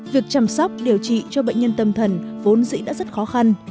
việc chăm sóc điều trị cho bệnh nhân tâm thần vốn dĩ đã rất khó khăn